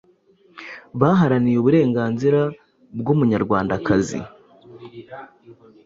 baharaniye uburenganzira bw’Umunyarwandakazi.